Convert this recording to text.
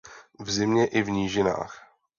V zimě i v nížinách.